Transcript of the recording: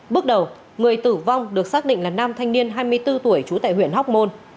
bước đầu người tử vong được xác định là nam thanh niên hai mươi bốn tuổi trú tại huyện hóc môn